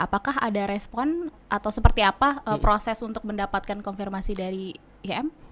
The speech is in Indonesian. apakah ada respon atau seperti apa proses untuk mendapatkan konfirmasi dari im